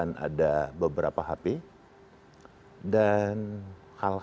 saya mengadakan pengcott ditt k caricš